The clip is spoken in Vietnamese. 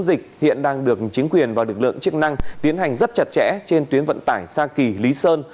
dịch hiện đang được chính quyền và lực lượng chức năng tiến hành rất chặt chẽ trên tuyến vận tải sa kỳ lý sơn